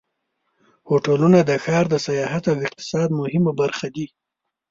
هوټلونه د ښار د سیاحت او اقتصاد مهمه برخه دي.